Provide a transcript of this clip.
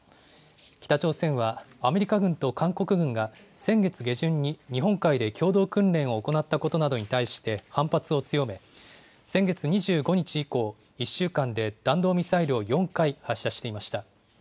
北朝鮮はアメリカ軍と韓国軍が先月下旬に日本海で共同訓練を行ったことなどに対して反発を強め、先月２５日以降、１週間で弾道ミサイルを４回発射していました。